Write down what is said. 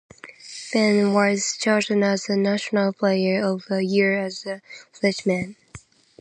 Payne was chosen as the National Player of the Year as a freshman.